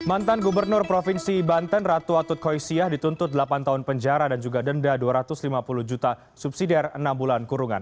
mantan gubernur provinsi banten ratu atut koisiah dituntut delapan tahun penjara dan juga denda dua ratus lima puluh juta subsidiar enam bulan kurungan